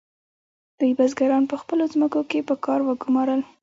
دوی بزګران په خپلو ځمکو کې په کار وګمارل.